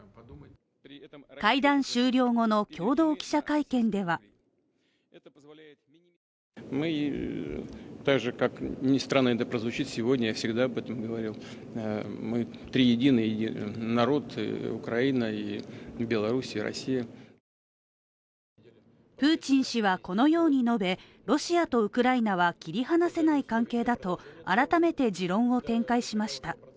会談終了後の共同記者会見ではプーチン氏はこのように述べ、ロシアとウクライナは切り離せない関係だと改めて持論を展開しました。